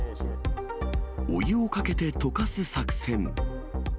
お湯をかけてとかす作戦。